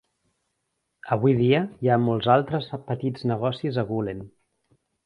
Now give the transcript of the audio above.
Avui dia, hi ha molts altres petits negocis a Gulen.